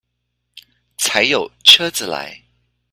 才有車子來